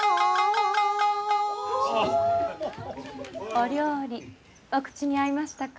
お料理お口に合いましたか？